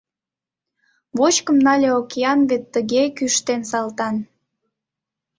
Вочкым нале океан Вет тыге кӱштен Салтан.